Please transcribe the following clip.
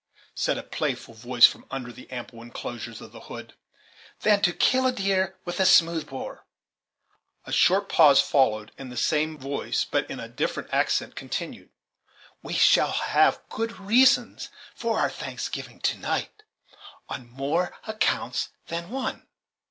said a playful voice from under the ample inclosures of the hood, "than to kill deer with a smooth bore." A short pause followed, and the same voice, but in a different accent, continued. "We shall have good reasons for our thanksgiving to night, on more accounts than one."